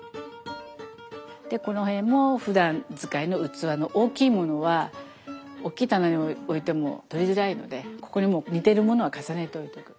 でこの辺もふだん使いの器の大きいものは大きい棚に置いても取りづらいのでここに似てるものは重ねて置いとく。